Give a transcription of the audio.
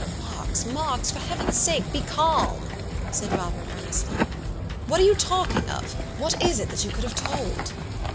"Marks, Marks, for Heaven's sake be calm," said Robert, earnestly. "What are you talking of? What is it that you could have told?"